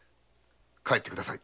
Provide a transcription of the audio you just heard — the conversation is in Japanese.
帰ってください。